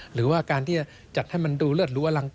หรือว่าการที่จะจัดให้มันดูเลือดรู้อลังการ